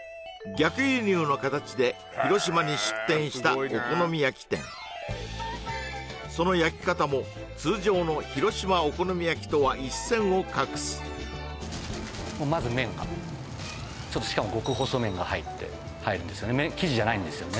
逆輸入の形で広島に出店したお好み焼き店その焼き方も通常の広島お好み焼きとは一線を画すまず麺がしかも極細麺が入って入るんですよね生地じゃないんですよね